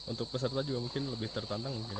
untuk peserta juga mungkin lebih tertantang